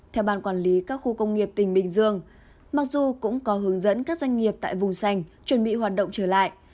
theo ban quản lý các khu công nghiệp tỉnh bình dương mặc dù cũng có hướng dẫn các doanh nghiệp tại vùng sành chuẩn bị hoạt động trở lại